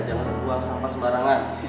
jangan buang sampah sembarangan